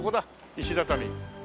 石畳。